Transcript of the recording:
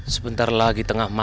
sebentar lagi tengah malam